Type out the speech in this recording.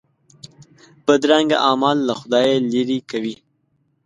بدرنګه اعمال له خدایه لیرې کوي